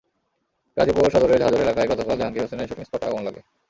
গাজীপুর সদরের ঝাজর এলাকায় গতকাল জাহাঙ্গীর হোসেনের শুটিং স্পটে আগুন লাগে।